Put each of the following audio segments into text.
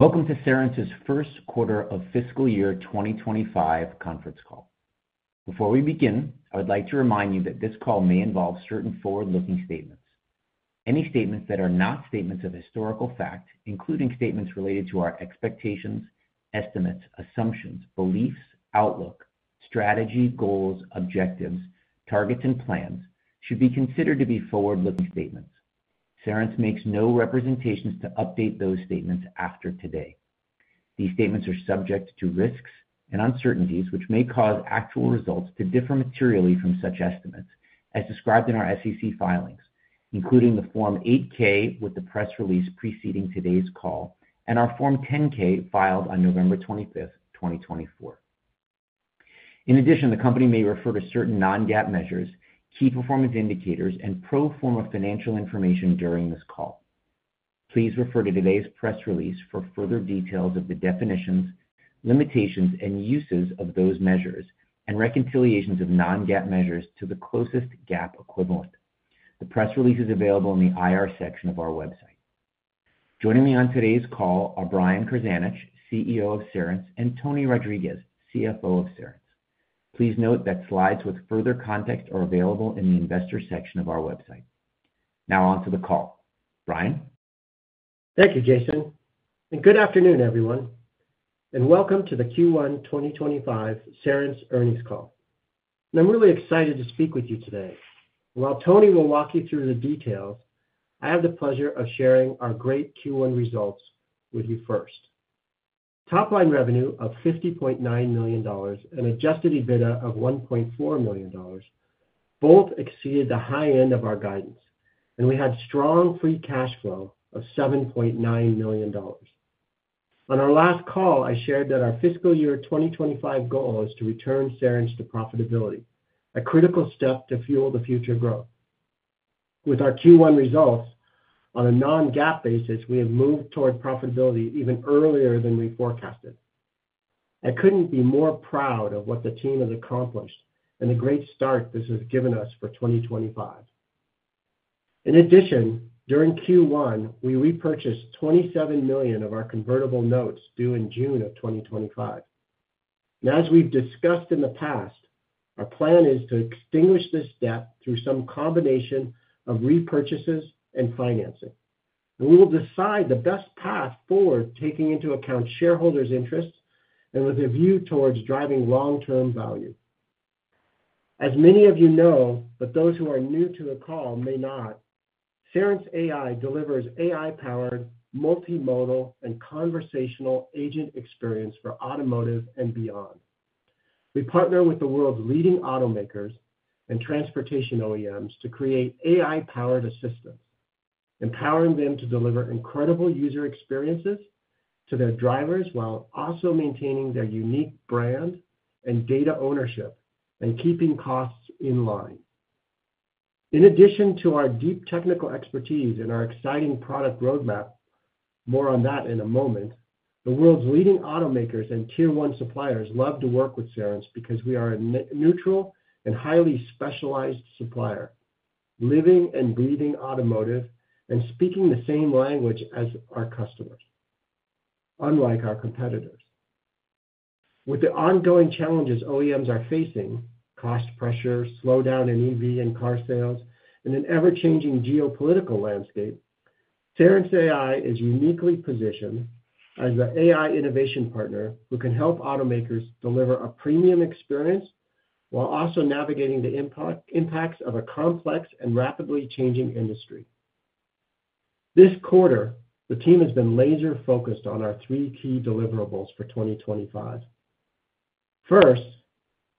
Welcome to Cerence's First Quarter of Fiscal Year 2025 Conference Call. Before we begin, I would like to remind you that this call may involve certain forward-looking statements. Any statements that are not statements of historical fact, including statements related to our expectations, estimates, assumptions, beliefs, outlook, strategy, goals, objectives, targets, and plans, should be considered to be forward-looking statements. Cerence makes no representations to update those statements after today. These statements are subject to risks and uncertainties, which may cause actual results to differ materially from such estimates, as described in our SEC filings, including the Form 8-K with the press release preceding today's call and our Form 10-K filed on November 25th, 2024. In addition, the company may refer to certain non-GAAP measures, key performance indicators, and pro forma financial information during this call. Please refer to today's press release for further details of the definitions, limitations, and uses of those measures and reconciliations of non-GAAP measures to the closest GAAP equivalent. The press release is available in the IR section of our website. Joining me on today's call are Brian Krzanich, CEO of Cerence, and Tony Rodriguez, CFO of Cerence. Please note that slides with further context are available in the investor section of our website. Now on to the call. Brian? Thank you, Jason, and good afternoon, everyone, and welcome to the Q1 2025 Cerence earnings call, and I'm really excited to speak with you today. While Tony will walk you through the details, I have the pleasure of sharing our great Q1 results with you first. Top-line revenue of $50.9 million and adjusted EBITDA of $1.4 million both exceeded the high end of our guidance, and we had strong Free Cash Flow of $7.9 million. On our last call, I shared that our fiscal year 2025 goal is to return Cerence to profitability, a critical step to fuel the future growth. With our Q1 results, on a non-GAAP basis, we have moved toward profitability even earlier than we forecasted. I couldn't be more proud of what the team has accomplished and the great start this has given us for 2025. In addition, during Q1, we repurchased 27 million of our convertible notes due in June of 2025. As we've discussed in the past, our plan is to extinguish this debt through some combination of repurchases and financing. We will decide the best path forward, taking into account shareholders' interests and with a view towards driving long-term value. As many of you know, but those who are new to the call may not, Cerence AI delivers AI-powered multimodal and conversational agent experience for automotive and beyond. We partner with the world's leading automakers and transportation OEMs to create AI-powered assistance, empowering them to deliver incredible user experiences to their drivers while also maintaining their unique brand and data ownership and keeping costs in line. In addition to our deep technical expertise and our exciting product roadmap, more on that in a moment, the world's leading automakers and Tier 1 suppliers love to work with Cerence because we are a neutral and highly specialized supplier, living and breathing automotive and speaking the same language as our customers, unlike our competitors. With the ongoing challenges OEMs are facing, cost pressure, slowdown in EV and car sales, and an ever-changing geopolitical landscape, Cerence AI is uniquely positioned as the AI innovation partner who can help automakers deliver a premium experience while also navigating the impacts of a complex and rapidly changing industry. This quarter, the team has been laser-focused on our three key deliverables for 2025. First,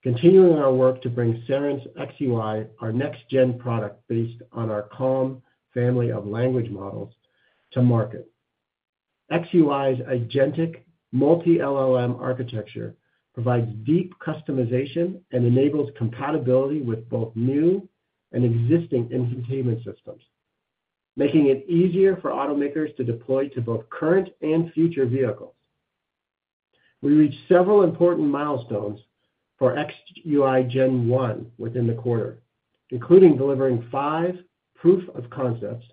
continuing our work to bring Cerence XUI, our next-gen product based on our CaLLM family of language models, to market. XUI's agentic multi-LLM architecture provides deep customization and enables compatibility with both new and existing infotainment systems, making it easier for automakers to deploy to both current and future vehicles. We reached several important milestones for XUI Gen 1 within the quarter, including delivering five proof of concepts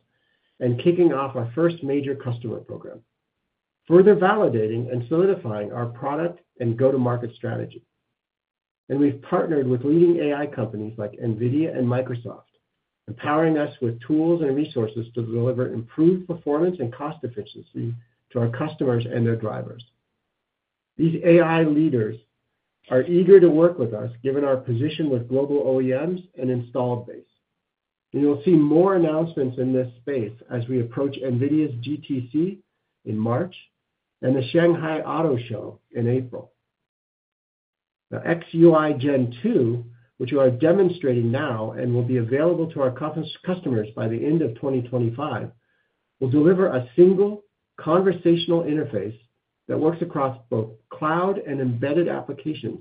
and kicking off our first major customer program, further validating and solidifying our product and go-to-market strategy. And we've partnered with leading AI companies like NVIDIA and Microsoft, empowering us with tools and resources to deliver improved performance and cost efficiency to our customers and their drivers. These AI leaders are eager to work with us, given our position with global OEMs and installed base. And you'll see more announcements in this space as we approach NVIDIA's GTC in March and the Shanghai Auto Show in April. The XUI Gen 2, which we are demonstrating now and will be available to our customers by the end of 2025, will deliver a single conversational interface that works across both cloud and embedded applications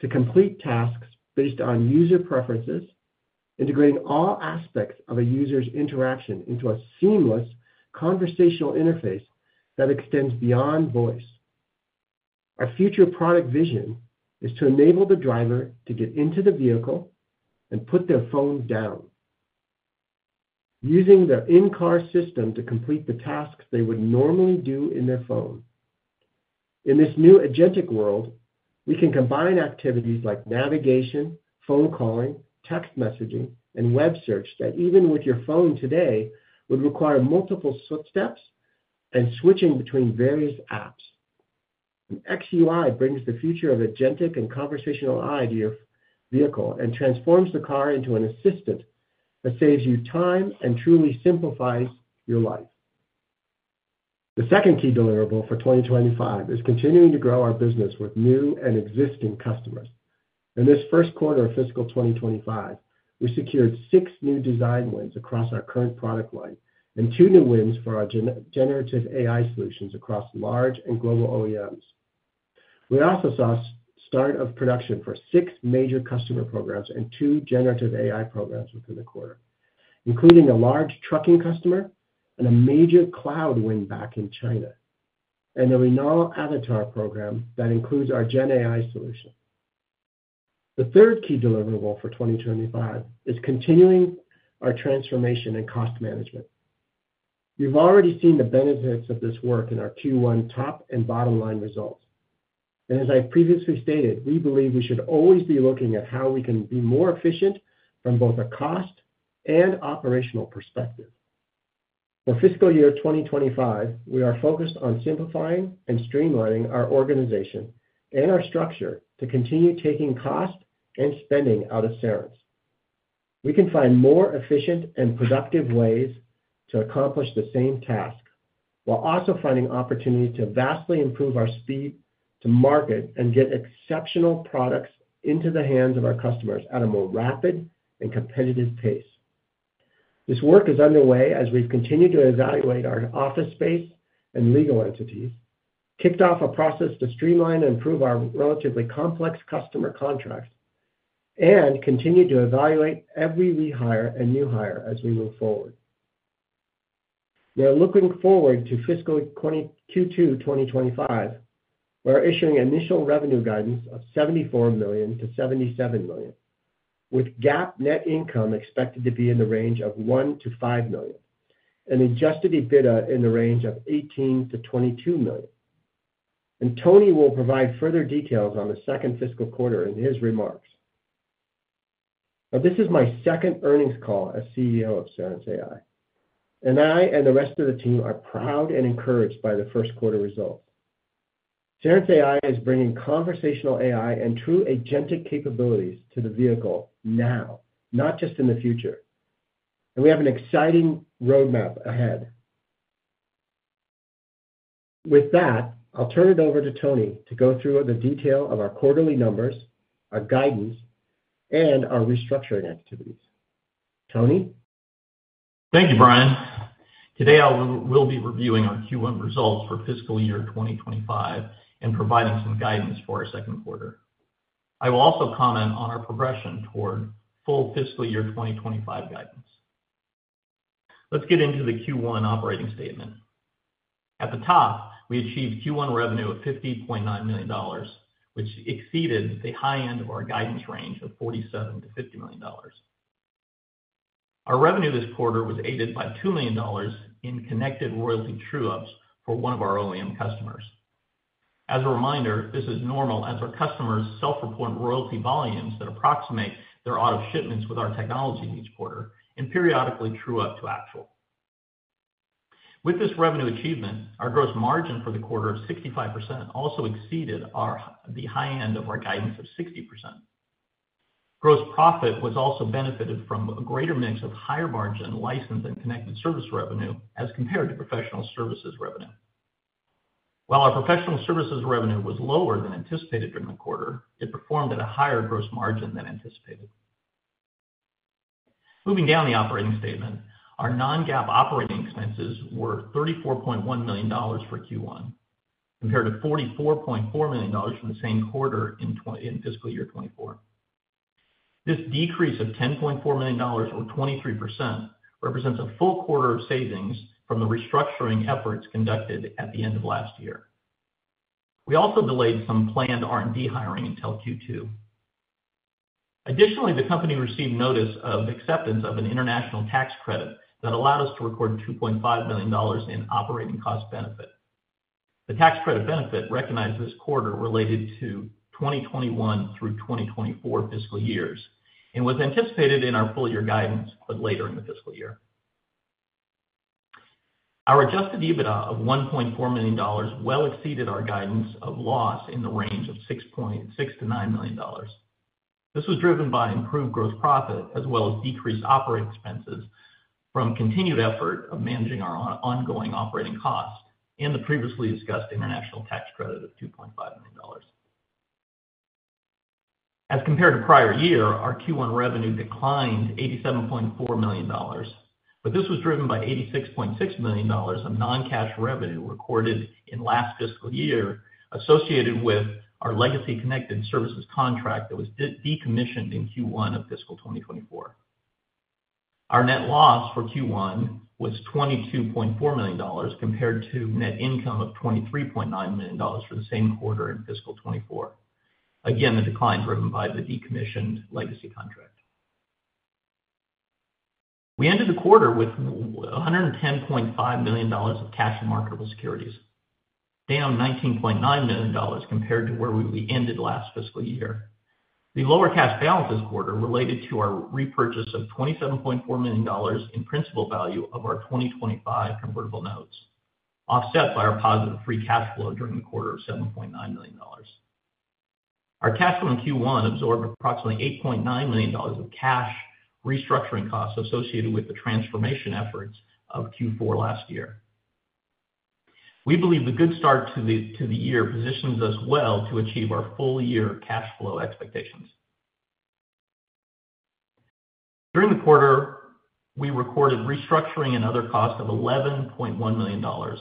to complete tasks based on user preferences, integrating all aspects of a user's interaction into a seamless conversational interface that extends beyond voice. Our future product vision is to enable the driver to get into the vehicle and put their phone down, using their in-car system to complete the tasks they would normally do in their phone. In this new agentic world, we can combine activities like navigation, phone calling, text messaging, and web search that, even with your phone today, would require multiple steps and switching between various apps. XUI brings the future of agentic and conversational AI to your vehicle and transforms the car into an assistant that saves you time and truly simplifies your life. The second key deliverable for 2025 is continuing to grow our business with new and existing customers. In this first quarter of fiscal 2025, we secured six new design wins across our current product line and two new wins for our generative AI solutions across large and global OEMs. We also saw start of production for six major customer programs and two generative AI programs within the quarter, including a large trucking customer and a major cloud win back in China and a Renault Avatar program that includes our Gen AI solution. The third key deliverable for 2025 is continuing our transformation and cost management. You've already seen the benefits of this work in our Q1 top and bottom-line results. As I previously stated, we believe we should always be looking at how we can be more efficient from both a cost and operational perspective. For fiscal year 2025, we are focused on simplifying and streamlining our organization and our structure to continue taking cost and spending out of Cerence. We can find more efficient and productive ways to accomplish the same task, while also finding opportunities to vastly improve our speed to market and get exceptional products into the hands of our customers at a more rapid and competitive pace. This work is underway as we've continued to evaluate our office space and legal entities, kicked off a process to streamline and improve our relatively complex customer contracts, and continued to evaluate every rehire and new hire as we move forward. We're looking forward to fiscal Q2 2025. We're issuing initial revenue guidance of $74-$77 million, with GAAP net income expected to be in the range of $1-$5 million, and adjusted EBITDA in the range of $18-$22 million, and Tony will provide further details on the second fiscal quarter in his remarks. Now, this is my second earnings call as CEO of Cerence AI, and I and the rest of the team are proud and encouraged by the first quarter results. Cerence AI is bringing conversational AI and true agentic capabilities to the vehicle now, not just in the future, and we have an exciting roadmap ahead. With that, I'll turn it over to Tony to go through the detail of our quarterly numbers, our guidance, and our restructuring activities. Tony? Thank you, Brian. Today, I will be reviewing our Q1 results for fiscal year 2025 and providing some guidance for our second quarter. I will also comment on our progression toward full fiscal year 2025 guidance. Let's get into the Q1 operating statement. At the top, we achieved Q1 revenue of $50.9 million, which exceeded the high end of our guidance range of $47-$50 million. Our revenue this quarter was aided by $2 million in connected royalty true-ups for one of our OEM customers. As a reminder, this is normal as our customers self-report royalty volumes that approximate their auto shipments with our technology each quarter and periodically true-up to actual. With this revenue achievement, our gross margin for the quarter of 65% also exceeded the high end of our guidance of 60%. Gross profit was also benefited from a greater mix of higher margin license and connected services revenue as compared to professional services revenue. While our professional services revenue was lower than anticipated during the quarter, it performed at a higher gross margin than anticipated. Moving down the operating statement, our non-GAAP operating expenses were $34.1 million for Q1, compared to $44.4 million from the same quarter in fiscal year 2024. This decrease of $10.4 million, or 23%, represents a full quarter of savings from the restructuring efforts conducted at the end of last year. We also delayed some planned R&D hiring until Q2. Additionally, the company received notice of acceptance of an international tax credit that allowed us to record $2.5 million in operating cost benefit. The tax credit benefit recognized this quarter related to 2021 through 2024 fiscal years and was anticipated in our full-year guidance, but later in the fiscal year. Our Adjusted EBITDA of $1.4 million well exceeded our guidance of loss in the range of $6-$9 million. This was driven by improved gross profit as well as decreased operating expenses from continued effort of managing our ongoing operating costs and the previously discussed international tax credit of $2.5 million. As compared to prior year, our Q1 revenue declined $87.4 million, but this was driven by $86.6 million of non-cash revenue recorded in last fiscal year associated with our legacy connected services contract that was decommissioned in Q1 of fiscal 2024. Our net loss for Q1 was $22.4 million compared to net income of $23.9 million for the same quarter in fiscal 2024. Again, the decline driven by the decommissioned legacy contract. We ended the quarter with $110.5 million of cash and marketable securities, down $19.9 million compared to where we ended last fiscal year. The lower cash balances quarter related to our repurchase of $27.4 million in principal value of our 2025 convertible notes, offset by our positive Free Cash Flow during the quarter of $7.9 million. Our cash flow in Q1 absorbed approximately $8.9 million of cash restructuring costs associated with the transformation efforts of Q4 last year. We believe the good start to the year positions us well to achieve our full-year cash flow expectations. During the quarter, we recorded restructuring and other costs of $11.1 million,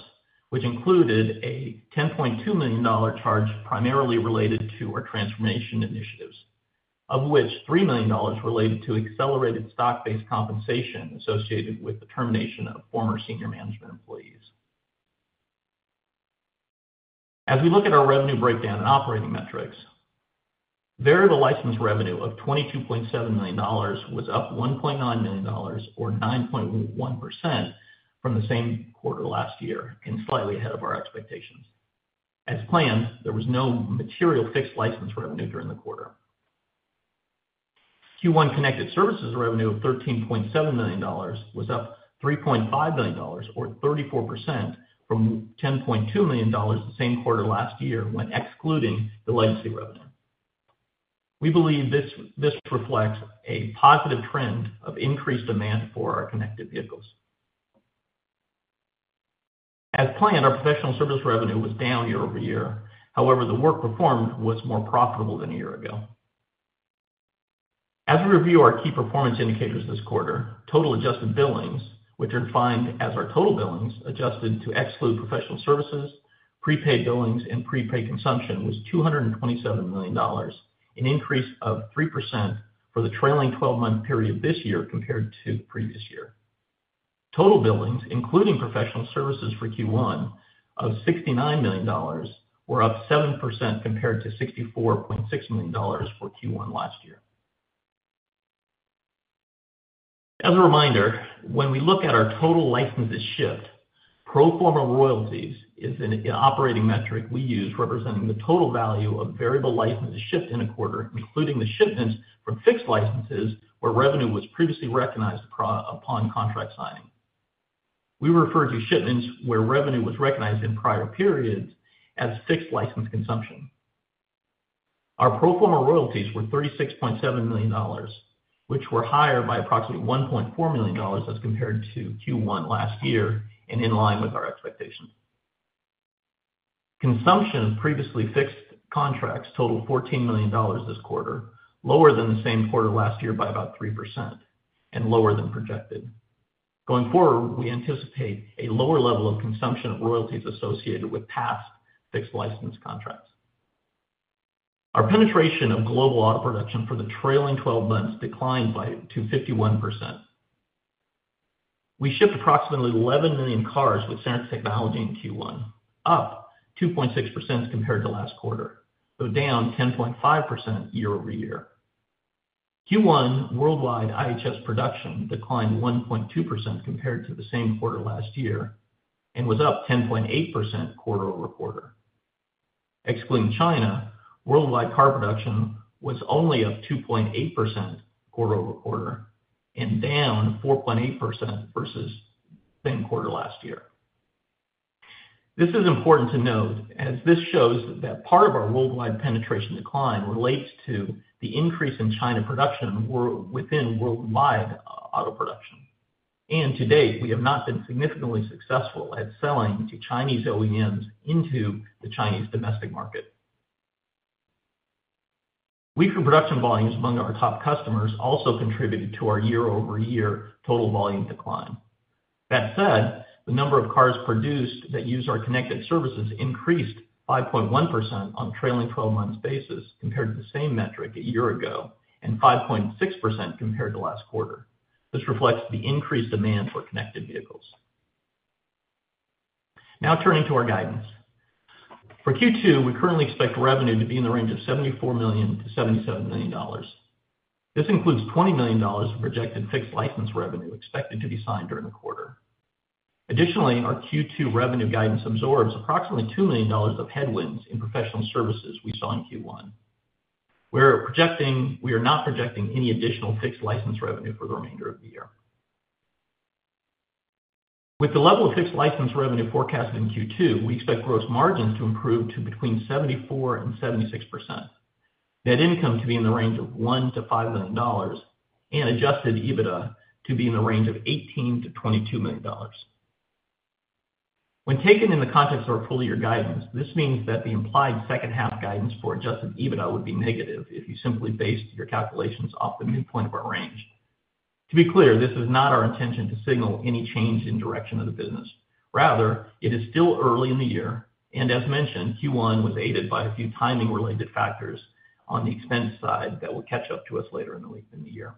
which included a $10.2 million charge primarily related to our transformation initiatives, of which $3 million related to accelerated stock-based compensation associated with the termination of former senior management employees. As we look at our revenue breakdown and operating metrics, variable license revenue of $22.7 million was up $1.9 million, or 9.1%, from the same quarter last year and slightly ahead of our expectations. As planned, there was no material fixed license revenue during the quarter. Q1 connected services revenue of $13.7 million was up $3.5 million, or 34%, from $10.2 million the same quarter last year when excluding the legacy revenue. We believe this reflects a positive trend of increased demand for our connected vehicles. As planned, our professional service revenue was down year over year. However, the work performed was more profitable than a year ago. As we review our key performance indicators this quarter, total adjusted billings, which are defined as our total billings adjusted to exclude professional services, prepaid billings, and prepaid consumption, was $227 million, an increase of 3% for the trailing 12-month period this year compared to the previous year. Total billings, including professional services for Q1, of $69 million, were up 7% compared to $64.6 million for Q1 last year. As a reminder, when we look at our total license shipments, pro forma royalties is an operating metric we use representing the total value of variable license shipments in a quarter, including the shipments from fixed licenses where revenue was previously recognized upon contract signing. We refer to shipments where revenue was recognized in prior periods as fixed license consumption. Our pro forma royalties were $36.7 million, which were higher by approximately $1.4 million as compared to Q1 last year and in line with our expectations. Consumption of previously fixed contracts totaled $14 million this quarter, lower than the same quarter last year by about 3% and lower than projected. Going forward, we anticipate a lower level of consumption of royalties associated with past fixed license contracts. Our penetration of global auto production for the trailing 12 months declined by 51%. We shipped approximately 11 million cars with Cerence Technology in Q1, up 2.6% compared to last quarter, though down 10.5% year over year. Q1 worldwide IHS production declined 1.2% compared to the same quarter last year and was up 10.8% quarter over quarter. Excluding China, worldwide car production was only up 2.8% quarter over quarter and down 4.8% versus the same quarter last year. This is important to note as this shows that part of our worldwide penetration decline relates to the increase in China production within worldwide auto production. To date, we have not been significantly successful at selling to Chinese OEMs into the Chinese domestic market. Weaker production volumes among our top customers also contributed to our year-over-year total volume decline. That said, the number of cars produced that use our connected services increased 5.1% on a trailing 12-month basis compared to the same metric a year ago and 5.6% compared to last quarter. This reflects the increased demand for connected vehicles. Now turning to our guidance. For Q2, we currently expect revenue to be in the range of $74 million-$77 million. This includes $20 million of projected fixed license revenue expected to be signed during the quarter. Additionally, our Q2 revenue guidance absorbs approximately $2 million of headwinds in professional services we saw in Q1. We are not projecting any additional fixed license revenue for the remainder of the year. With the level of fixed license revenue forecast in Q2, we expect gross margins to improve to between 74%-76%, net income to be in the range of $1-$5 million and adjusted EBITDA to be in the range of $18-$22 million. When taken in the context of our full-year guidance, this means that the implied second-half guidance for adjusted EBITDA would be negative if you simply based your calculations off the midpoint of our range. To be clear, this is not our intention to signal any change in direction of the business. Rather, it is still early in the year, and as mentioned, Q1 was aided by a few timing-related factors on the expense side that will catch up to us later in the year.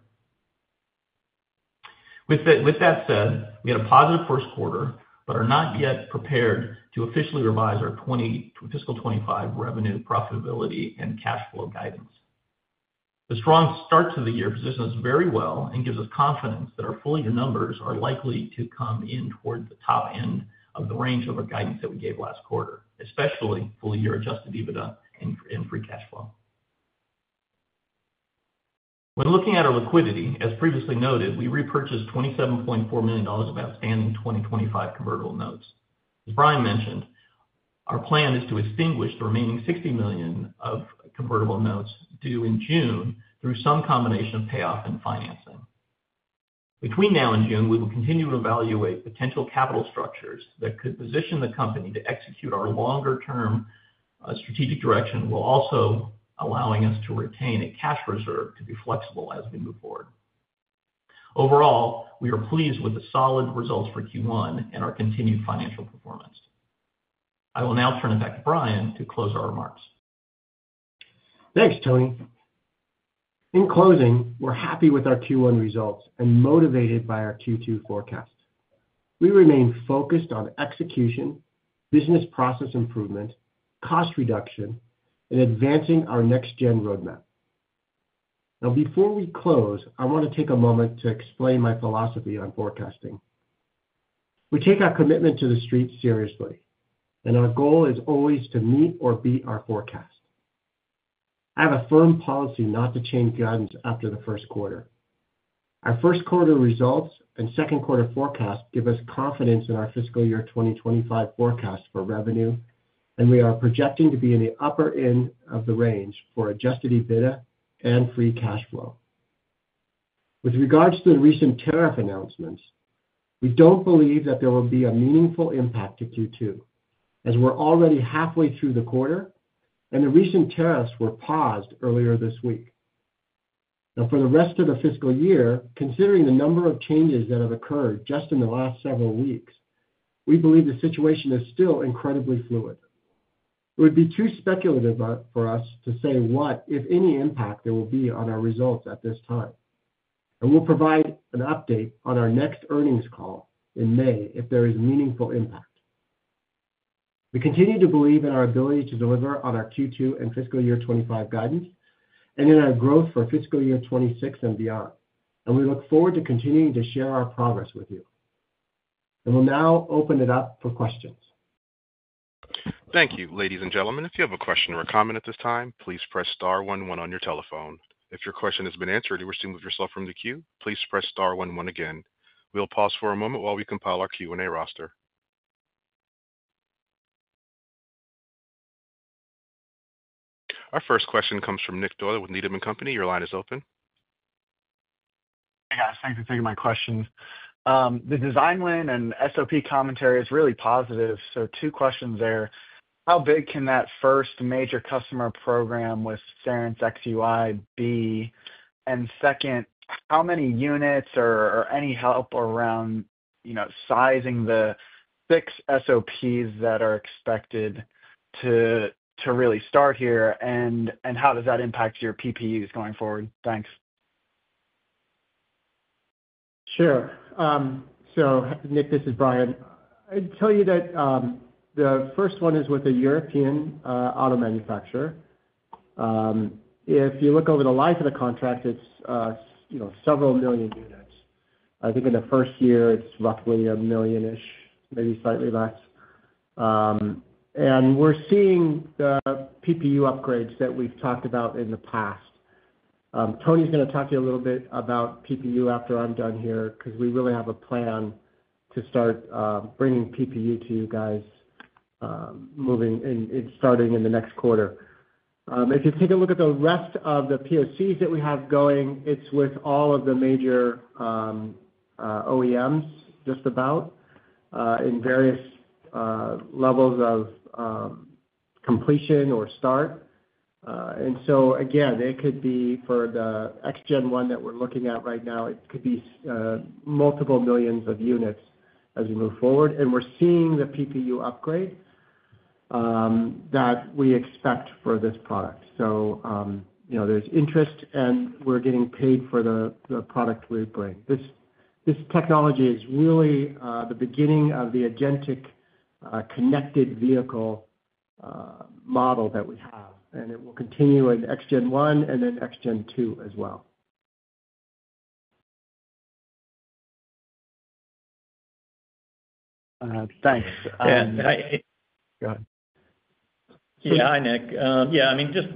With that said, we had a positive first quarter, but are not yet prepared to officially revise our fiscal 2025 revenue, profitability, and cash flow guidance. The strong start to the year positions us very well and gives us confidence that our full-year numbers are likely to come in toward the top end of the range of our guidance that we gave last quarter, especially full-year Adjusted EBITDA and Free Cash Flow. When looking at our liquidity, as previously noted, we repurchased $27.4 million of outstanding 2025 convertible notes. As Brian mentioned, our plan is to extinguish the remaining $60 million of convertible notes due in June through some combination of payoff and financing. Between now and June, we will continue to evaluate potential capital structures that could position the company to execute our longer-term strategic direction while also allowing us to retain a cash reserve to be flexible as we move forward. Overall, we are pleased with the solid results for Q1 and our continued financial performance. I will now turn it back to Brian to close our remarks. Thanks, Tony. In closing, we're happy with our Q1 results and motivated by our Q2 forecast. We remain focused on execution, business process improvement, cost reduction, and advancing our next-gen roadmap. Now, before we close, I want to take a moment to explain my philosophy on forecasting. We take our commitment to the street seriously, and our goal is always to meet or beat our forecast. I have a firm policy not to change guidance after the first quarter. Our first quarter results and second quarter forecast give us confidence in our fiscal year 2025 forecast for revenue, and we are projecting to be in the upper end of the range for Adjusted EBITDA and Free Cash Flow. With regards to the recent tariff announcements, we don't believe that there will be a meaningful impact to Q2, as we're already halfway through the quarter, and the recent tariffs were paused earlier this week. Now, for the rest of the fiscal year, considering the number of changes that have occurred just in the last several weeks, we believe the situation is still incredibly fluid. It would be too speculative for us to say what, if any, impact there will be on our results at this time, and we'll provide an update on our next earnings call in May if there is meaningful impact. We continue to believe in our ability to deliver on our Q2 and fiscal year 2025 guidance, and in our growth for fiscal year 2026 and beyond, and we look forward to continuing to share our progress with you. We'll now open it up for questions. Thank you, ladies and gentlemen. If you have a question or a comment at this time, please press star one one on your telephone. If your question has been answered or you wish to move yourself from the queue, please press star one one again. We'll pause for a moment while we compile our Q&A roster. Our first question comes from Nick Doyle with Needham & Company. Your line is open. Hey, guys. Thanks for taking my question. The design win and SOP commentary is really positive. So two questions there. How big can that first major customer program with Cerence XUI be? And second, how many units or any help around sizing the six SOPs that are expected to really start here? And how does that impact your PPUs going forward? Thanks. Sure. So Nick, this is Brian. I'd tell you that the first one is with a European auto manufacturer. If you look over the life of the contract, it's several million units. I think in the first year, it's roughly a million-ish, maybe slightly less. And we're seeing the PPU upgrades that we've talked about in the past. Tony's going to talk to you a little bit about PPU after I'm done here because we really have a plan to start bringing PPU to you guys starting in the next quarter. If you take a look at the rest of the POCs that we have going, it's with all of the major OEMs just about in various levels of completion or start. And so again, it could be for the X Gen 1 that we're looking at right now, it could be multiple millions of units as we move forward. We're seeing the PPU upgrade that we expect for this product. There's interest, and we're getting paid for the product we bring. This technology is really the beginning of the agentic connected vehicle model that we have, and it will continue in X Gen 1 and then X Gen 2 as well. Thanks. Go ahead. Yeah, hi, Nick. Yeah, I mean, just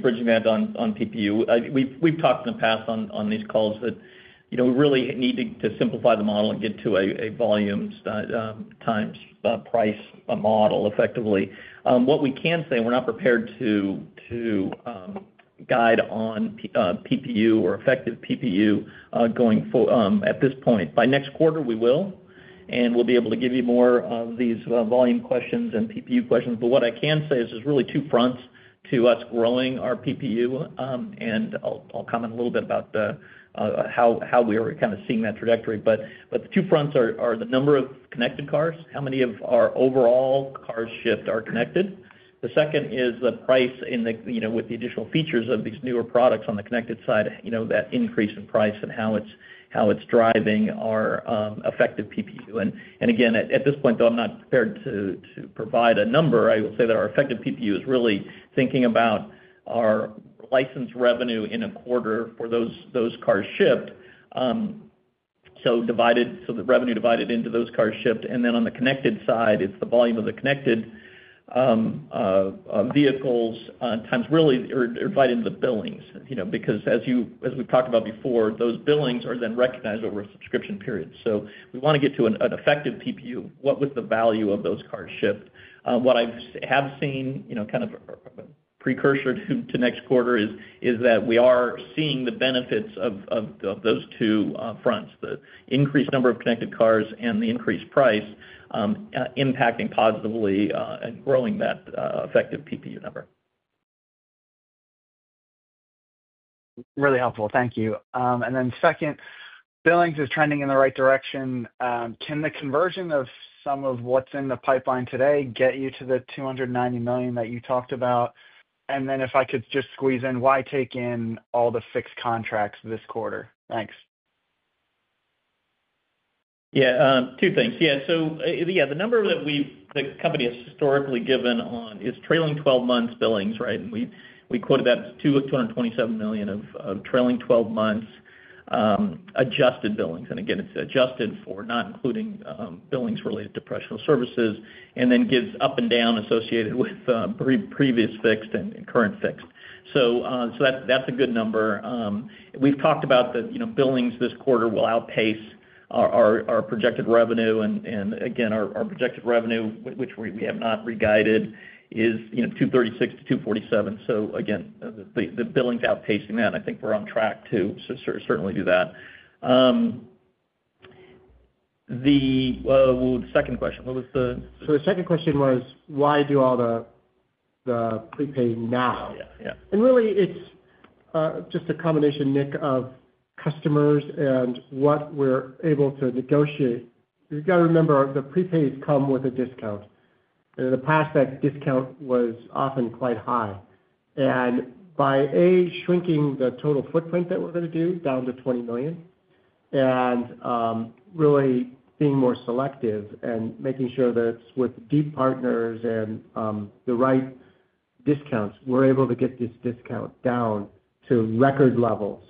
bridging that on PPU. We've talked in the past on these calls that we really need to simplify the model and get to a volumes, times, price model effectively. What we can say, we're not prepared to guide on PPU or effective PPU going forward at this point. By next quarter, we will, and we'll be able to give you more of these volume questions and PPU questions. But what I can say is there's really two fronts to us growing our PPU, and I'll comment a little bit about how we are kind of seeing that trajectory. But the two fronts are the number of connected cars, how many of our overall cars shipped are connected. The second is the price with the additional features of these newer products on the connected side that increase in price and how it's driving our effective PPU. And again, at this point, though, I'm not prepared to provide a number. I will say that our effective PPU is really thinking about our license revenue in a quarter for those cars shipped, so the revenue divided into those cars shipped. And then on the connected side, it's the volume of the connected vehicles times really divided into the billings. Because as we've talked about before, those billings are then recognized over a subscription period. So we want to get to an effective PPU. What was the value of those cars shipped? What I have seen kind of a precursor to next quarter is that we are seeing the benefits of those two fronts, the increased number of connected cars and the increased price impacting positively and growing that effective PPU number. Really helpful. Thank you. And then second, billings is trending in the right direction. Can the conversion of some of what's in the pipeline today get you to the $290 million that you talked about? And then if I could just squeeze in, why take in all the fixed contracts this quarter? Thanks. Yeah, two things. Yeah, so yeah, the number that the company has historically given on is trailing 12 months billings, right? And we quoted that as $227 million of trailing 12 months adjusted billings. And again, it's adjusted for not including billings related to professional services and then gives up and down associated with previous fixed and current fixed. So that's a good number. We've talked about the billings this quarter will outpace our projected revenue. And again, our projected revenue, which we have not re-guided, is $236 million-$247 million. So again, the billings outpacing that, I think we're on track to certainly do that. The second question, what was the? So the second question was, why do all the prepay now? And really, it's just a combination, Nick, of customers and what we're able to negotiate. You've got to remember, the prepays come with a discount. And in the past, that discount was often quite high. And by shrinking the total footprint that we're going to do down to 20 million and really being more selective and making sure that with deep partners and the right discounts, we're able to get this discount down to record levels.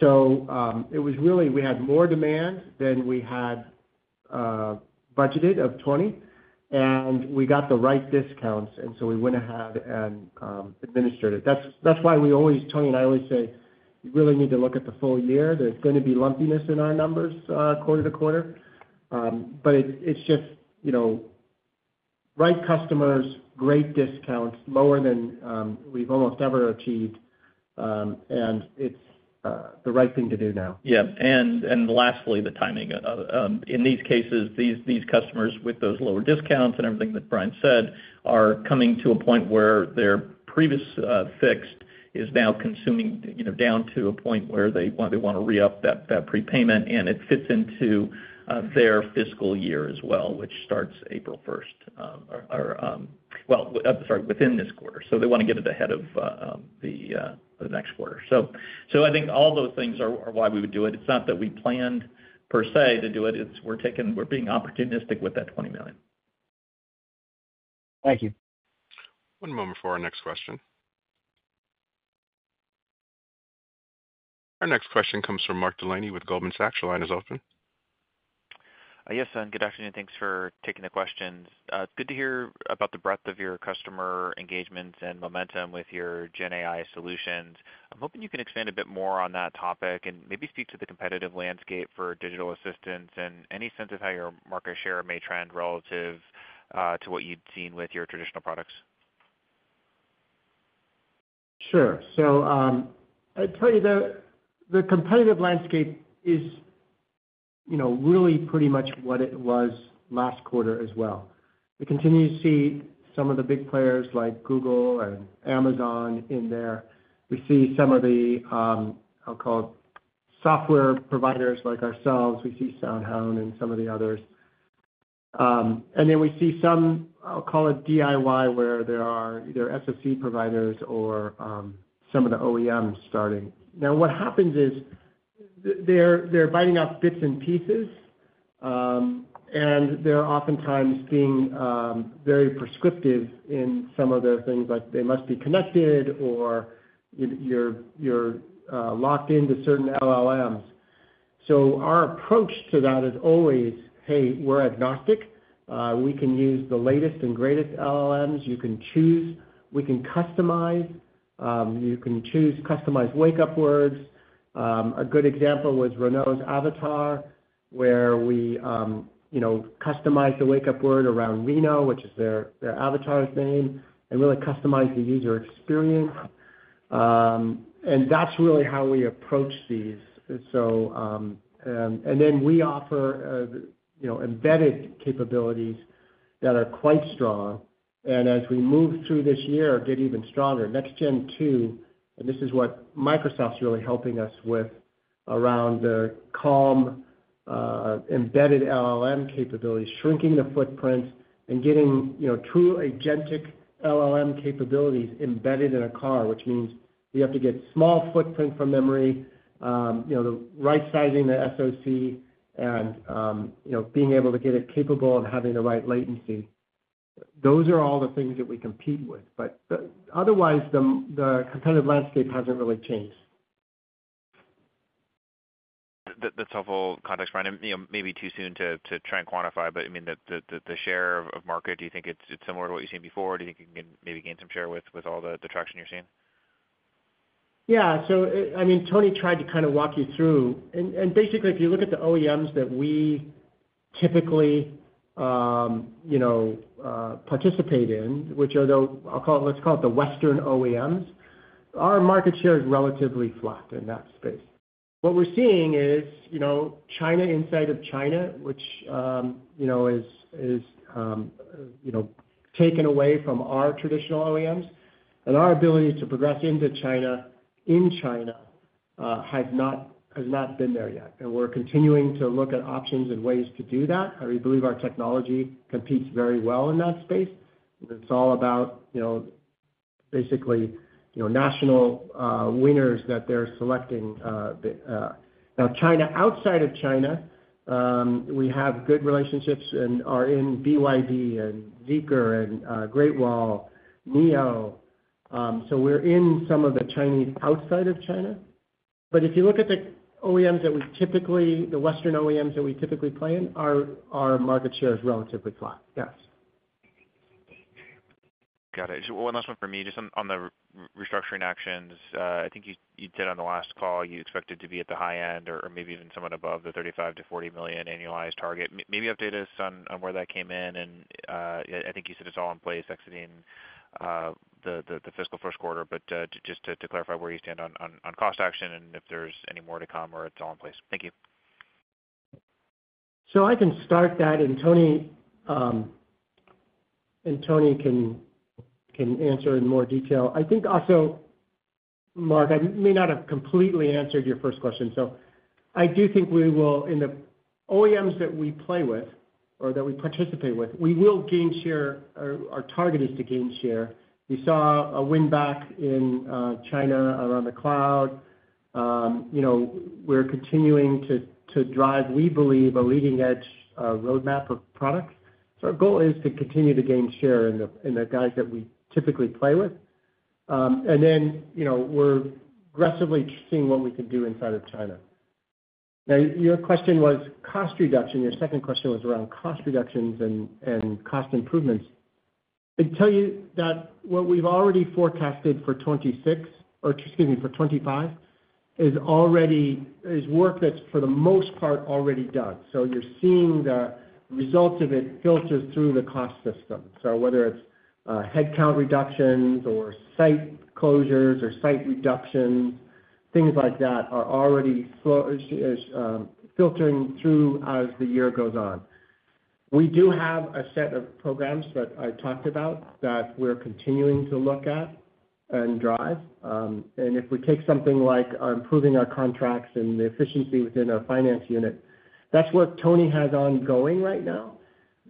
So it was really we had more demand than we had budgeted of 20, and we got the right discounts, and so we went ahead and administered it. That's why we always, Tony and I always say, you really need to look at the full year. There's going to be lumpiness in our numbers quarter to quarter, but it's just right customers, great discounts, lower than we've almost ever achieved, and it's the right thing to do now. Yeah. And lastly, the timing. In these cases, these customers with those lower discounts and everything that Brian said are coming to a point where their previous fixed is now consuming down to a point where they want to re-up that prepayment, and it fits into their fiscal year as well, which starts April 1st or, well, sorry, within this quarter. So they want to get it ahead of the next quarter. So I think all those things are why we would do it. It's not that we planned per se to do it. We're being opportunistic with that $20 million. Thank you. One moment for our next question. Our next question comes from Mark Delaney with Goldman Sachs. Yes, good afternoon. Thanks for taking the questions. It's good to hear about the breadth of your customer engagements and momentum with your GenAI solutions. I'm hoping you can expand a bit more on that topic and maybe speak to the competitive landscape for digital assistants and any sense of how your market share may trend relative to what you'd seen with your traditional products. Sure. So I tell you that the competitive landscape is really pretty much what it was last quarter as well. We continue to see some of the big players like Google and Amazon in there. We see some of the, I'll call it, software providers like ourselves. We see SoundHound and some of the others. And then we see some, I'll call it DIY, where there are either SSE providers or some of the OEMs starting. Now, what happens is they're biting off bits and pieces, and they're oftentimes being very prescriptive in some of the things like they must be connected or you're locked into certain LLMs. So our approach to that is always, hey, we're agnostic. We can use the latest and greatest LLMs. You can choose. We can customize. You can choose customized wake-up words. A good example was Renault's Avatar, where we customize the wake-up word around Reno, which is their avatar's name, and really customize the user experience. And that's really how we approach these. And then we offer embedded capabilities that are quite strong. And as we move through this year, get even stronger. Next Gen 2, and this is what Microsoft's really helping us with around the CaLLM embedded LLM capabilities, shrinking the footprint and getting true agentic LLM capabilities embedded in a car, which means we have to get small footprint from memory, the right sizing of the SOC, and being able to get it capable of having the right latency. Those are all the things that we compete with. But otherwise, the competitive landscape hasn't really changed. That's helpful context, Brian. Maybe too soon to try and quantify, but I mean, the share of market, do you think it's similar to what you've seen before? Do you think you can maybe gain some share with all the traction you're seeing? Yeah. So I mean, Tony tried to kind of walk you through. And basically, if you look at the OEMs that we typically participate in, which are the, let's call it the Western OEMs, our market share is relatively flat in that space. What we're seeing is China inside of China, which is taken away from our traditional OEMs. And our ability to progress into China in China has not been there yet. And we're continuing to look at options and ways to do that. We believe our technology competes very well in that space. It's all about basically national winners that they're selecting. Now, China outside of China, we have good relationships and are in BYD and Zeekr and Great Wall, NIO. So we're in some of the Chinese outside of China. But if you look at the OEMs that we typically, the Western OEMs that we typically play in, our market share is relatively flat. Yes. Got it. One last one for me. Just on the restructuring actions, I think you said on the last call you expected to be at the high end or maybe even somewhat above the $35 million-$40 million annualized target. Maybe update us on where that came in. And I think you said it's all in place exiting the fiscal first quarter. But just to clarify where you stand on cost action and if there's any more to come or it's all in place. Thank you. So I can start that, and Tony can answer in more detail. I think also, Mark, I may not have completely answered your first question. So I do think we will, in the OEMs that we play with or that we participate with, we will gain share. Our target is to gain share. We saw a win back in China around the cloud. We're continuing to drive, we believe, a leading-edge roadmap of products. So our goal is to continue to gain share in the guys that we typically play with. And then we're aggressively seeing what we can do inside of China. Now, your question was cost reduction. Your second question was around cost reductions and cost improvements. I tell you that what we've already forecasted for 2026 or, excuse me, for 2025 is work that's for the most part already done. So you're seeing the results of it filter through the cost system. So whether it's headcount reductions or site closures or site reductions, things like that are already filtering through as the year goes on. We do have a set of programs that I talked about that we're continuing to look at and drive. And if we take something like improving our contracts and the efficiency within our finance unit, that's work Tony has ongoing right now.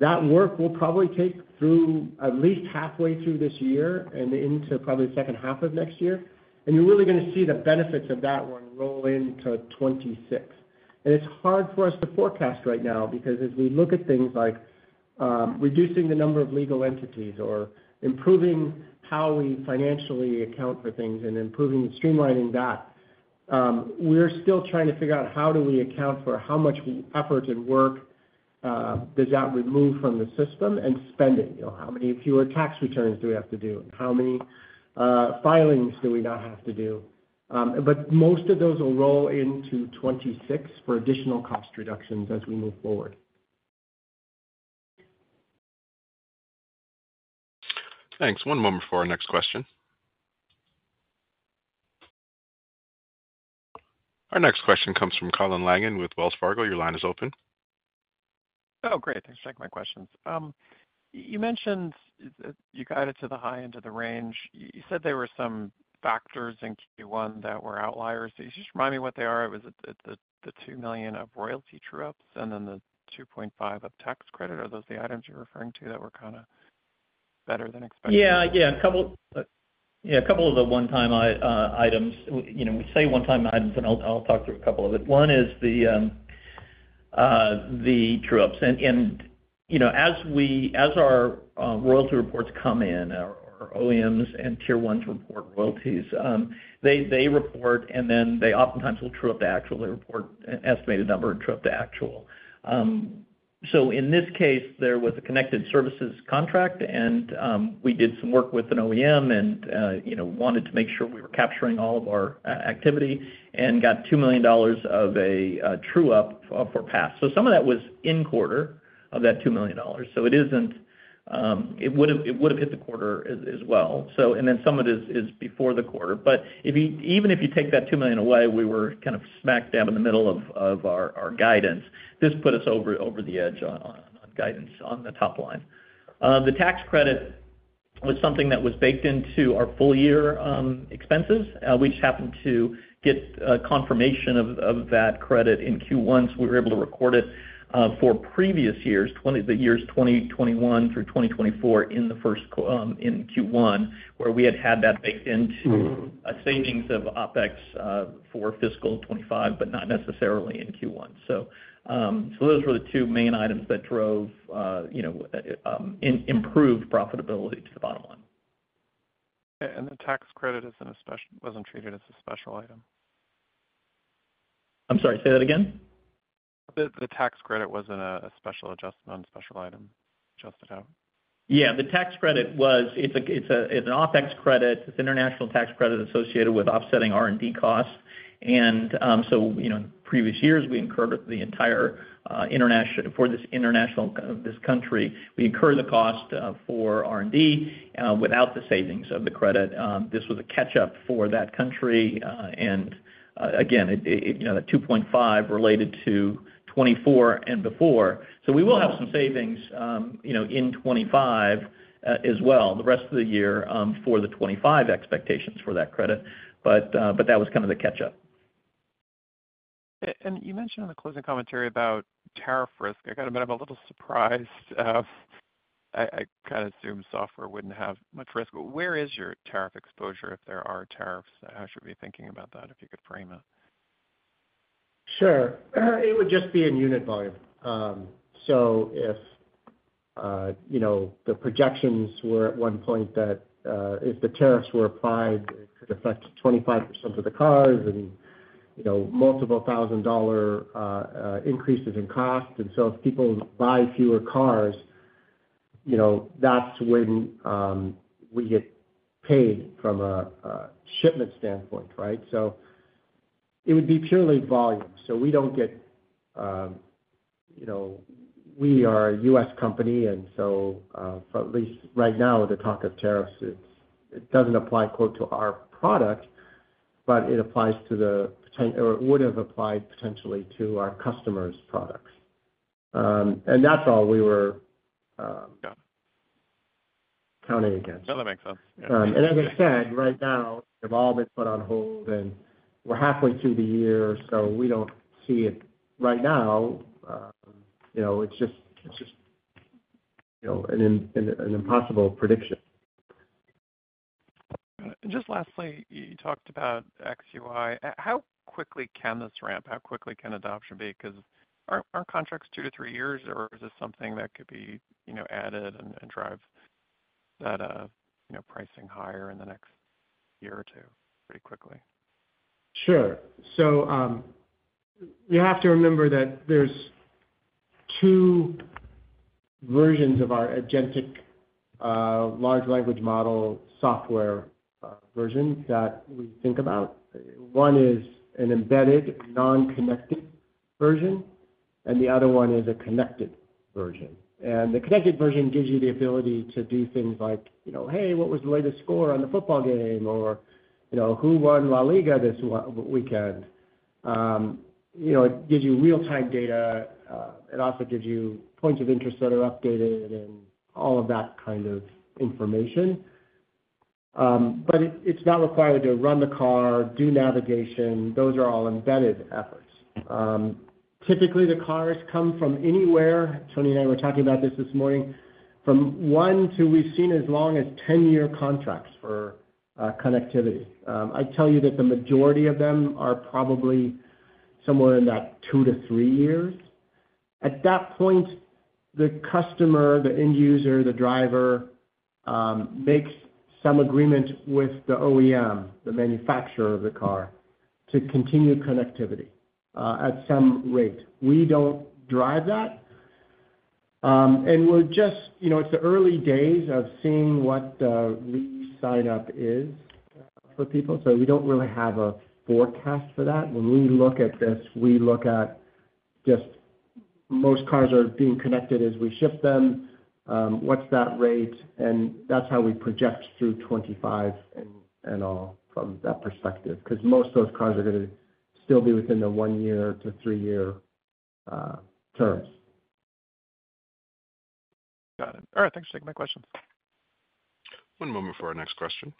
That work will probably take through at least halfway through this year and into probably the second half of next year. And you're really going to see the benefits of that one roll into 2026. It's hard for us to forecast right now because as we look at things like reducing the number of legal entities or improving how we financially account for things and improving and streamlining that, we're still trying to figure out how do we account for how much effort and work does that remove from the system and spending. How many fewer tax returns do we have to do? How many filings do we not have to do? Most of those will roll into 2026 for additional cost reductions as we move forward. Thanks. One moment for our next question. Our next question comes from Colin Langan with Wells Fargo. Your line is open. Oh, great. Thanks for taking my questions. You mentioned you got it to the high end of the range. You said there were some factors in Q1 that were outliers. Could you just remind me what they are? It was the $2 million of royalty true-ups and then the $2.5 of tax credit. Are those the items you're referring to that were kind of better than expected? Yeah, yeah. A couple of the one-time items. We say one-time items, and I'll talk through a couple of it. One is the true-ups. And as our royalty reports come in, our OEMs and Tier 1s report royalties. They report, and then they oftentimes will true-up the actual report, estimate a number, and true-up the actual. So in this case, there was a connected services contract, and we did some work with an OEM and wanted to make sure we were capturing all of our activity and got $2 million of a true-up for past. So some of that was in the quarter of that $2 million. So it would have hit the quarter as well. And then some of it is before the quarter. But even if you take that $2 million away, we were kind of smack dab in the middle of our guidance. This put us over the edge on guidance on the top line. The tax credit was something that was baked into our full-year expenses. We just happened to get confirmation of that credit in Q1, so we were able to record it for previous years, the years 2021 through 2024 in Q1, where we had had that baked into savings of OpEx for fiscal 2025, but not necessarily in Q1. So those were the two main items that drove improved profitability to the bottom line. The tax credit wasn't treated as a special item. I'm sorry, say that again. The tax credit wasn't a special adjustment on special item adjusted out. Yeah. The tax credit was an OpEx credit. It's an international tax credit associated with offsetting R&D costs. And so in previous years, we incurred the entire cost for this country without the savings of the credit. This was a catch-up for that country. And again, that $2.5 related to 2024 and before. So we will have some savings in 2025 as well, the rest of the year for the 2025 expectations for that credit. But that was kind of the catch-up. You mentioned in the closing commentary about tariff risk. I was a bit surprised. I kind of assumed software wouldn't have much risk. Where is your tariff exposure if there are tariffs? How should we be thinking about that if you could frame it? Sure. It would just be in unit volume. So if the projections were at one point that if the tariffs were applied, it could affect 25% of the cars and multiple thousand-dollar increases in cost. And so if people buy fewer cars, that's when we get paid from a shipment standpoint, right? So it would be purely volume. So we don't get we are a U.S. company, and so at least right now, the talk of tariffs, it doesn't apply, quote, to our product, but it applies to the or would have applied potentially to our customers' products. And that's all we were counting against. No, that makes sense. As I said, right now, they've all been put on hold, and we're halfway through the year, so we don't see it right now. It's just an impossible prediction. Got it. And just lastly, you talked about XUI. How quickly can this ramp? How quickly can adoption be? Because are contracts two to three years, or is this something that could be added and drive that pricing higher in the next year or two pretty quickly? Sure. So you have to remember that there's two versions of our agentic large language model software version that we think about. One is an embedded, non-connected version, and the other one is a connected version. And the connected version gives you the ability to do things like, "Hey, what was the latest score on the football game?" or, "Who won La Liga this weekend?" It gives you real-time data. It also gives you points of interest that are updated and all of that kind of information. But it's not required to run the car, do navigation. Those are all embedded efforts. Typically, the cars come from anywhere. Tony and I were talking about this this morning. From one to we've seen as long as 10-year contracts for connectivity. I tell you that the majority of them are probably somewhere in that two to three years. At that point, the customer, the end user, the driver makes some agreement with the OEM, the manufacturer of the car, to continue connectivity at some rate. We don't drive that. And we're just it's the early days of seeing what the re-sign-up is for people. So we don't really have a forecast for that. When we look at this, we look at just most cars are being connected as we ship them. What's that rate? And that's how we project through 2025 and all from that perspective because most of those cars are going to still be within the one-year to three-year terms. Got it. All right. Thanks for taking my questions. One moment for our next question.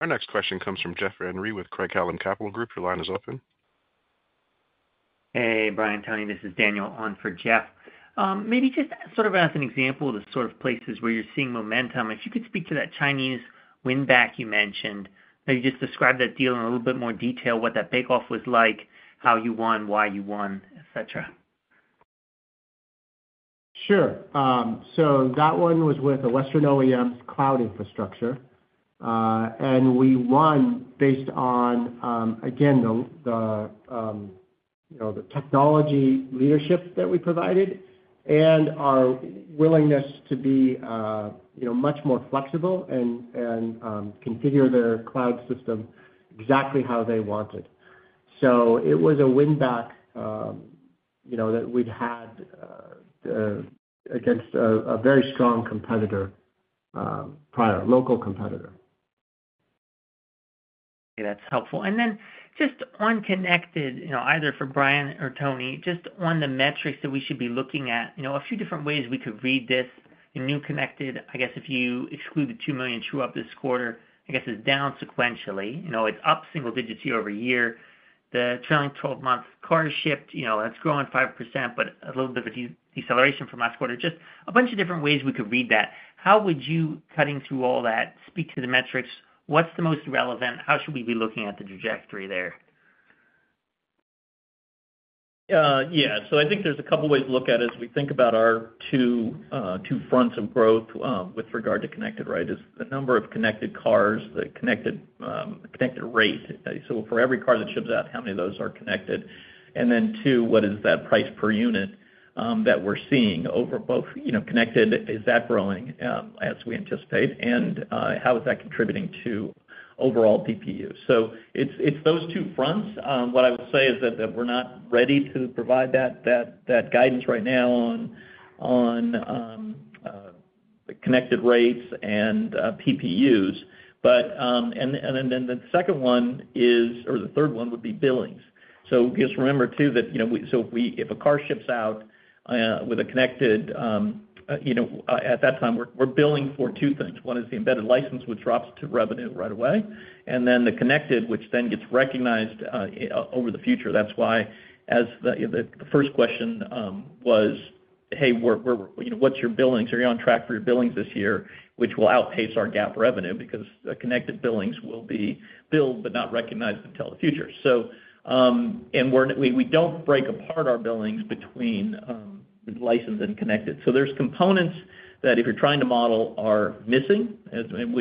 Our next question comes from Jeff Van Rhee with Craig-Hallum Capital Group. Your line is open. Hey, Brian, Tony, this is Daniel on for Jeff. Maybe just sort of as an example of the sort of places where you're seeing momentum, if you could speak to that Chinese win-back you mentioned. Maybe just describe that deal in a little bit more detail, what that bake-off was like, how you won, why you won, etc. Sure. So that one was with a Western OEM's cloud infrastructure. And we won based on, again, the technology leadership that we provided and our willingness to be much more flexible and configure their cloud system exactly how they wanted. So it was a win-back that we'd had against a very strong competitor, prior local competitor. Okay. That's helpful. And then just on connected, either for Brian or Tony, just on the metrics that we should be looking at, a few different ways we could read this in new connected. I guess if you exclude the $2 million true-up this quarter, I guess it's down sequentially. It's up single digits year over year. The trailing 12-month car shipped has grown 5%, but a little bit of a deceleration from last quarter. Just a bunch of different ways we could read that. How would you, cutting through all that, speak to the metrics? What's the most relevant? How should we be looking at the trajectory there? Yeah. So I think there's a couple of ways to look at it as we think about our two fronts of growth with regard to connected, right? Is the number of connected cars, the connected rate? So for every car that ships out, how many of those are connected? And then two, what is that price per unit that we're seeing over both connected? Is that growing as we anticipate? And how is that contributing to overall DPU? So it's those two fronts. What I would say is that we're not ready to provide that guidance right now on connected rates and PPUs. And then the second one is, or the third one would be billings. So just remember too that if a car ships out with a connected, at that time, we're billing for two things. One is the embedded license, which drops to revenue right away. And then the connected, which then gets recognized over the future. That's why the first question was, "Hey, what's your billings? Are you on track for your billings this year?" which will outpace our GAAP revenue because connected billings will be billed but not recognized until the future. And we don't break apart our billings between licensed and connected. So there's components that if you're trying to model are missing. And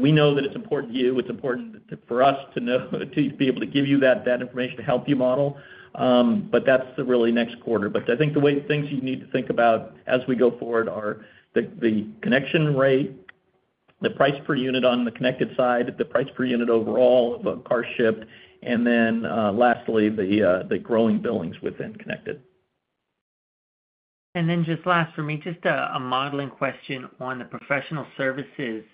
we know that it's important to you. It's important for us to know to be able to give you that information to help you model. But that's really next quarter. But I think the things you need to think about as we go forward are the connection rate, the price per unit on the connected side, the price per unit overall of a car shipped, and then lastly, the growing billings within connected. And then just last for me, just a modeling question on the professional services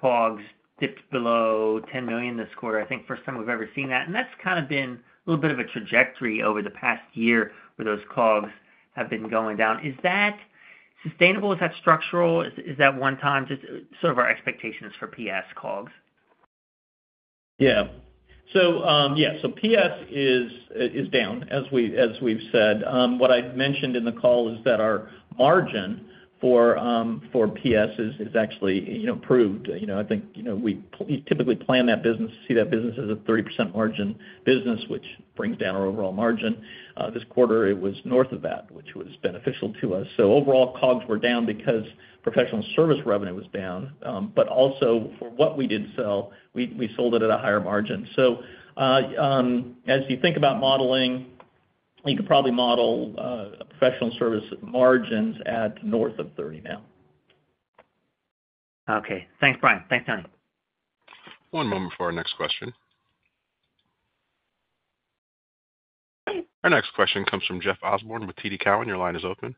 COGS dipped below $10 million this quarter. I think first time we've ever seen that. And that's kind of been a little bit of a trajectory over the past year where those COGS have been going down. Is that sustainable? Is that structural? Is that one time just sort of our expectations for PS COGS? Yeah. So yeah, so PS is down, as we've said. What I mentioned in the call is that our margin for PS is actually improved. I think we typically plan that business, see that business as a 30% margin business, which brings down our overall margin. This quarter, it was north of that, which was beneficial to us. So overall, COGS were down because professional services revenue was down. But also for what we did sell, we sold it at a higher margin. So as you think about modeling, you could probably model professional services margins at north of 30% now. Okay. Thanks, Brian. Thanks, Tony. One moment for our next question. Our next question comes from Jeff Osborne with TD Cowen. Your line is open.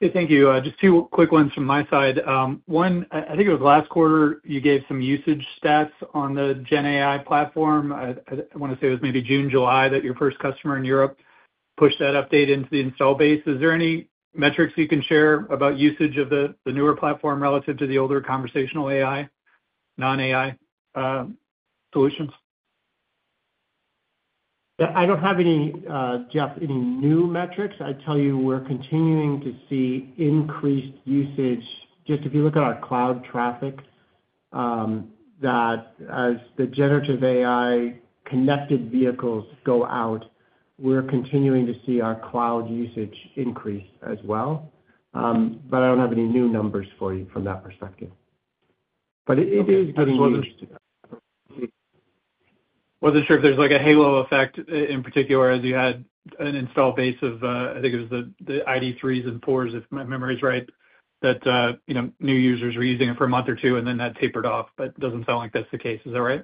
Yeah, thank you. Just two quick ones from my side. One, I think it was last quarter, you gave some usage stats on the GenAI platform. I want to say it was maybe June, July that your first customer in Europe pushed that update into the install base. Is there any metrics you can share about usage of the newer platform relative to the older conversational AI, non-AI solutions? I don't have any, Jeff, any new metrics. I tell you we're continuing to see increased usage. Just if you look at our cloud traffic, that, as the generative AI connected vehicles go out, we're continuing to see our cloud usage increase as well. But I don't have any new numbers for you from that perspective. But it is getting used. Wasn't sure if there's a halo effect in particular as you had an installed base of, I think it was the ID.3s and 4s, if my memory is right, that new users were using it for a month or two, and then that tapered off. But it doesn't sound like that's the case. Is that right?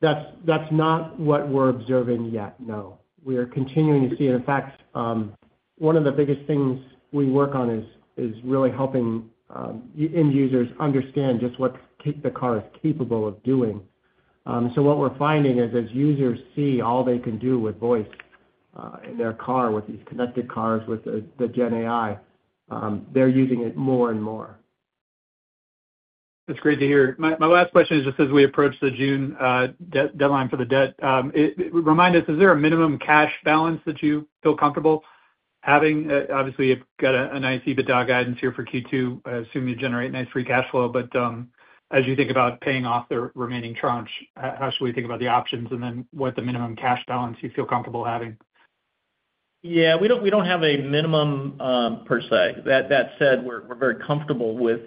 That's not what we're observing yet. No. We are continuing to see, and in fact, one of the biggest things we work on is really helping end users understand just what the car is capable of doing, so what we're finding is as users see all they can do with voice in their car with these connected cars with the GenAI, they're using it more and more. That's great to hear. My last question is just as we approach the June deadline for the debt, remind us, is there a minimum cash balance that you feel comfortable having? Obviously, you've got a nice EBITDA guidance here for Q2. I assume you generate nice Free Cash Flow. But as you think about paying off the remaining tranche, how should we think about the options and then what the minimum cash balance you feel comfortable having? Yeah. We don't have a minimum per se. That said, we're very comfortable with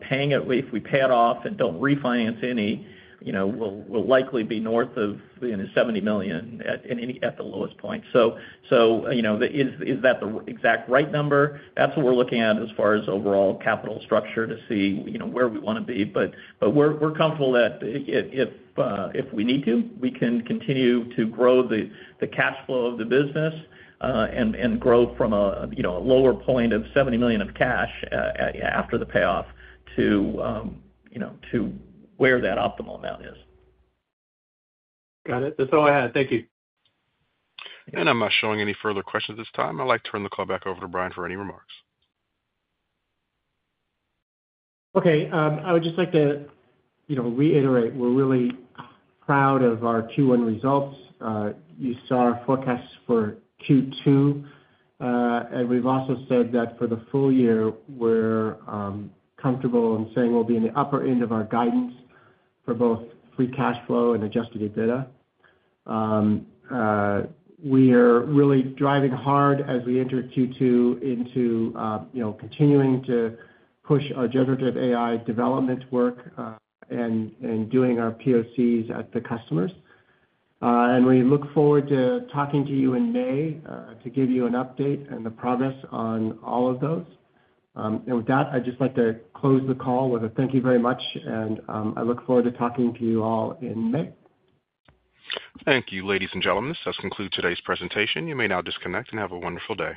paying it. If we pay it off and don't refinance any, we'll likely be north of $70 million at the lowest point. So is that the exact right number? That's what we're looking at as far as overall capital structure to see where we want to be. But we're comfortable that if we need to, we can continue to grow the cash flow of the business and grow from a lower point of $70 million of cash after the payoff to where that optimal amount is. Got it. That's all I had. Thank you. I'm not showing any further questions at this time. I'd like to turn the call back over to Brian for any remarks. Okay. I would just like to reiterate we're really proud of our Q1 results. You saw our forecasts for Q2, and we've also said that for the full year, we're comfortable in saying we'll be in the upper end of our guidance for both Free Cash Flow and Adjusted EBITDA. We are really driving hard as we enter Q2 into continuing to push our Generative AI development work and doing our POCs at the customers, and we look forward to talking to you in May to give you an update and the progress on all of those, and with that, I'd just like to close the call with a thank you very much, and I look forward to talking to you all in May. Thank you, ladies and gentlemen. This does conclude today's presentation. You may now disconnect and have a wonderful day.